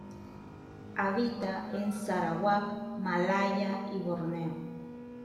Habita en Sarawak, Malaya y Borneo.